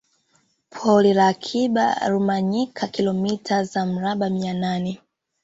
Pori la Akiba Rumanyika kilomita za mraba mia nane